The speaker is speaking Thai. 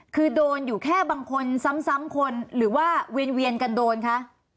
คือโดนอยู่แค่บางคนซ้ำคนหรือว่าเวียนกันโดนคะ